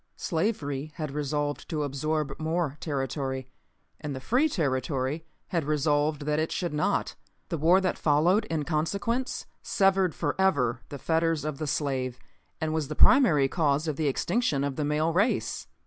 Slavery had resolved to absorb more territory, and the free territory had resolved that it should not. The war that followed in consequence severed forever the fetters of the slave and was the primary cause of the extinction of the male race.